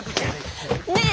ねえ！